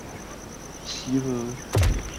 襲來！